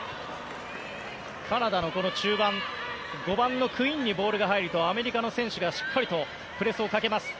カナダの中盤５番のクインにボールが入るとアメリカの選手がしっかりとプレスをかけます。